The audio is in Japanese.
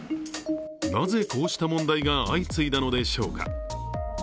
なぜ、こうした問題が相次いだのでしょうか。